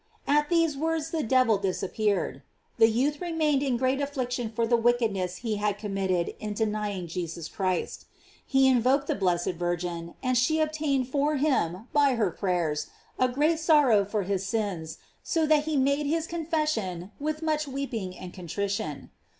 At these words the devil disap peared. The youth remained in great affliction for the wickedness he had committed in denying Jesus Christ. He invoked the blessed Virgin, and she obtained for him, by her prayers, a great sorrow for all his sins, so that he made his con fession with much weeping and contrition.